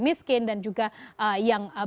miskin dan juga yang